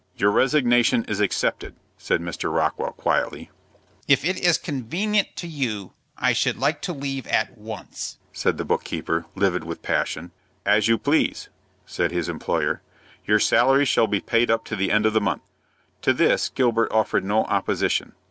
"Your resignation is accepted," said Mr. Rockwell, quietly. "If it is convenient to you, I should like to leave at once," said the book keeper, livid with passion. "As you please," said his employer. "Your salary shall be paid up to the end of the month." To this Gilbert offered no opposition.